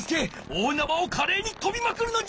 大なわをかれいにとびまくるのじゃ！